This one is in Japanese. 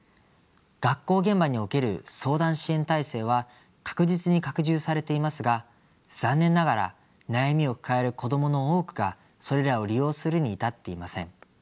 学校現場における相談支援体制は確実に拡充されていますが残念ながら悩みを抱える子どもの多くがそれらを利用するに至っていません。